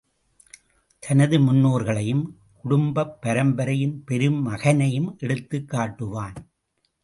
தனது முன்னோர்களையும், குடும்பப் பரம்பரையின் பெருமைகனையும் எடுத்துக் காட்டுவான்!